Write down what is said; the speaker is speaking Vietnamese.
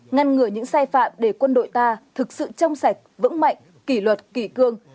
ngăn ngừa những sai phạm để quân đội ta thực sự trong sạch vững mạnh kỷ luật kỷ cương